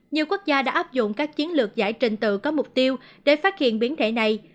nhiều quốc gia đã áp dụng các chiến lược giải trình tự có mục tiêu để phát hiện biến thể này